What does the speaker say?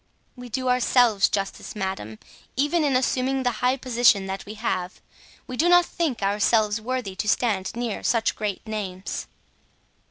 "We do ourselves justice, madame, even in assuming the high position that we have. We do not think ourselves worthy to stand near such great names."